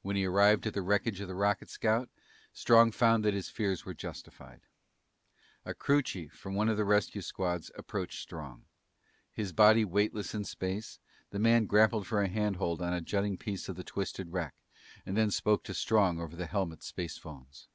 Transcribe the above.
When he arrived at the wreckage of the rocket scout, Strong found that his fears were justified. A crew chief from one of the rescue squads approached Strong; his body weightless in space, the man grappled for a handhold on a jutting piece of the twisted wreck, and then spoke to Strong over the helmet spacephones.